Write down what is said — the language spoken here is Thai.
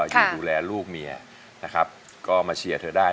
อยู่ดูแลลูกเมียนะครับก็มาเชียร์เธอได้